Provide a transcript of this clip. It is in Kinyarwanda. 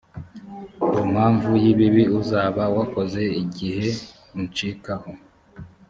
ku mpamvu y’ibibi uzaba wakoze igihe uncikaho.